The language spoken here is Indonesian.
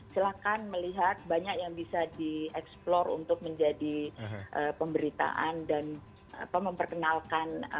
silahkan melihat banyak yang bisa di eksplor untuk menjadi pemberitaan dan memperkenalkan